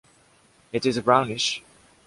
It is brownish.